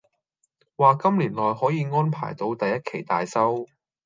話今年內可以安排到第一期大修